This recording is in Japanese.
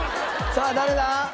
さあ誰だ？